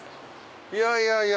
いやいやいや。